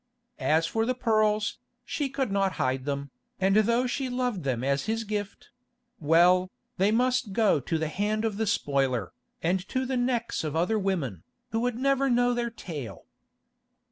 As for the pearls, she could not hide them, and though she loved them as his gift—well, they must go to the hand of the spoiler, and to the necks of other women, who would never know their tale.